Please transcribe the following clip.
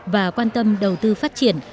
và quan tâm đầu tư phát triển